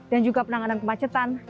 dan juga penanganan kemacetan